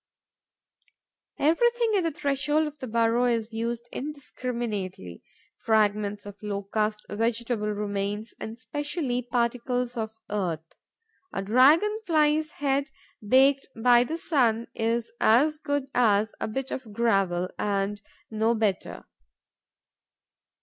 Everything at the threshold of the burrow is used indiscriminately: fragments of Locust, vegetable remains and especially particles of earth. A Dragon fly's head baked by the sun is as good as a bit of gravel and no better.